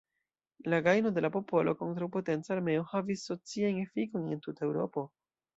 La gajno de la popolo kontraŭ potenca armeo havis sociajn efikojn en tuta Eŭropo.